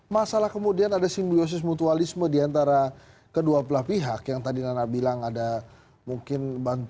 masalah kemudian ada simbiosis mutualisme diantara kedua belah pihak yang tadi nana bilang ada mungkin bantuan